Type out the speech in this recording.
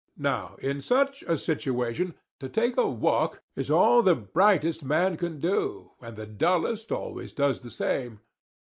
Now, in such a situation, to take a walk is all the brightest man can do, and the dullest always does the same.